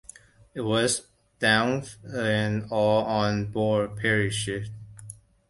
It was downed and all on board perished.